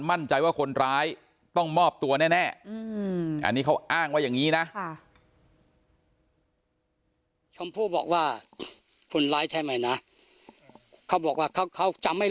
มั่นใจว่าคนร้ายต้องมอบตัวแน่อันนี้เขาอ้างว่าอย่างนี้นะ